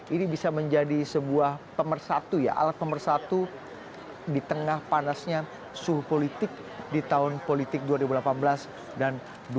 ini bisa menjadi sebuah pemersatu ya alat pemersatu di tengah panasnya suhu politik di tahun politik dua ribu delapan belas dan dua ribu sembilan belas